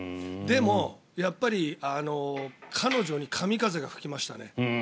でも、やっぱり彼女に神風が吹きましたね。